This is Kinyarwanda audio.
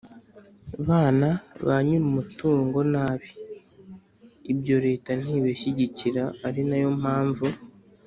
bana ba nyirumutungo nabi. ibyo leta ntibishyigikira ari na yo mpamvu